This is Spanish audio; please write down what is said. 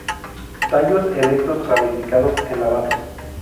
Tallos erectos ramificados en la base.